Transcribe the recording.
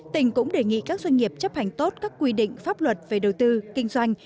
tỉnh cũng đề nghị các doanh nghiệp chấp hành tốt các quy định pháp luật về đầu tư kinh doanh